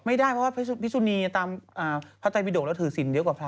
ไม่ได้เพราะว่าพระพิสุนีตามพระไตรบิดกแล้วถือศิลปเยอะกว่าพระ